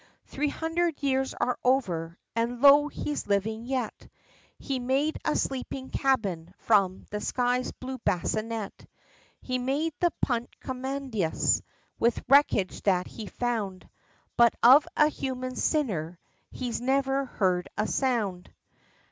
Three hundred years are over, and lo! he's living yet, He made a sleeping cabin, from the sky blue bassinet, He made the punt commodious, with wreckage that he found, But of a human sinner, he's never heard a sound!